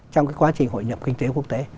trong quá trình hội nhập kinh tế quốc tế